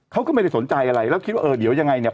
เขาก็ไม่ได้สนใจอะไรแล้วคิดว่าเออเดี๋ยวยังไงเนี่ย